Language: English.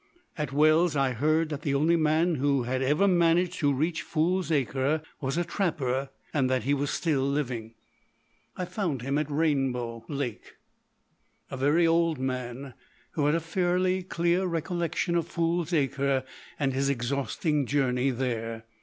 "At Wells I heard that the only man who had ever managed to reach Fool's Acre was a trapper, and that he was still living. "I found him at Rainbow Lake—a very old man, who had a fairly clear recollection of Fool's Acre and his exhausting journey there.